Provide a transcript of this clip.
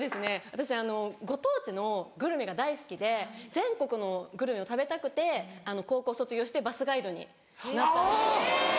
私ご当地のグルメが大好きで全国のグルメを食べたくて高校卒業してバスガイドになったんですよ。